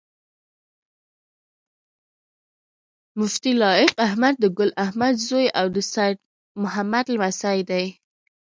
مفتي لائق احمد د ګل احمد زوي او د سيد محمد لمسی دی